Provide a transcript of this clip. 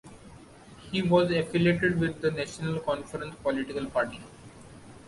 He was affiliated with the National Conference political party.